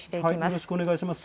よろしくお願いします。